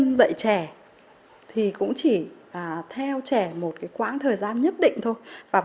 giáo viên dạy trẻ thì cũng chỉ theo trẻ một cái quãng thời gian nhất định thôi